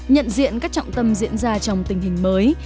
nhận diện các trọng tâm diễn ra trong tình hình mới